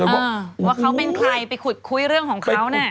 ว่าเขาเป็นใครไปขุดคุยเรื่องของเขาน่ะ